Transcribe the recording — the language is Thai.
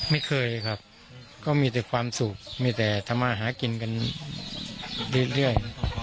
ไม่เคยครับก็มีแต่ความสุขมีแต่ทำมาหากินกันเรื่อย